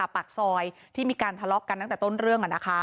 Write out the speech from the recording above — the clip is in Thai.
ปากซอยที่มีการทะเลาะกันตั้งแต่ต้นเรื่อง